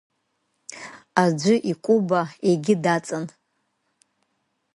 Аӡәы икәыба егьи даҵан.